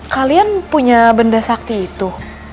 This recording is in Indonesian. kalian punya benda sakti itu